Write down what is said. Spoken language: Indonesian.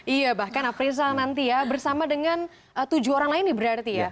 iya bahkan afrizal nanti ya bersama dengan tujuh orang lain nih berarti ya